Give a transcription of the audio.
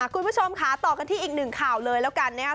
คุณผู้ชมค่ะต่อกันที่อีกหนึ่งข่าวเลยแล้วกันนะครับ